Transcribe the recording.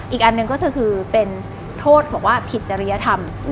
อีกอันหนึ่งก็คือเป็นโทษบอกว่าผิดจริยธรรม